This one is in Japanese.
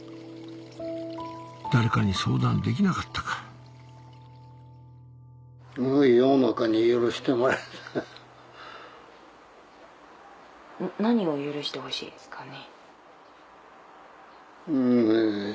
誰かに相談できなかったか何を許してほしいですかね？